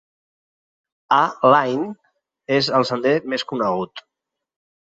"A-Line" és el sender més conegut.